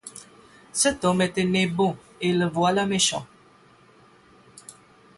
Cet homme était né bon, et le voilà méchant.